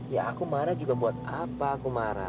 ya aku marah juga buat apa aku marah